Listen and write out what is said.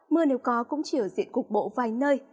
mưa nếu có cũng chỉ ở diện cục bộ vài nơi